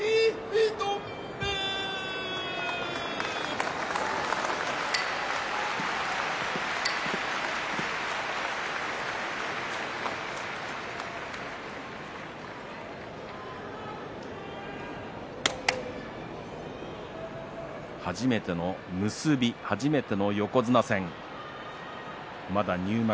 拍手初めての結び初めての横綱戦まだ入幕